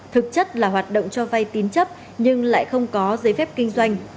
thực chất là hoạt động cho vay tín chấp nhưng lại không có giấy phép kinh doanh